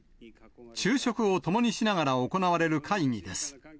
昼食を共にしながら行われる会議です。